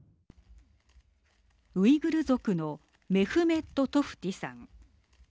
ウイグル族のメフメット・トフティさん。